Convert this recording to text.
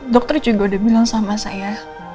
dokter juga udah bilang sama saya